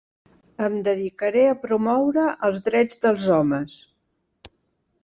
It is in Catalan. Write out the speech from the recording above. Em dedicaré a promoure els drets dels homes.